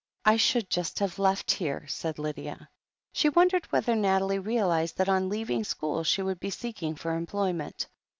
I should just have left here," said Lydia. She wondered whether Nathalie realized that on leaving school she would be seeking for employment.